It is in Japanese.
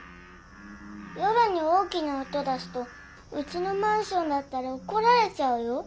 夜に大きな音出すとうちのマンションだったらおこられちゃうよ。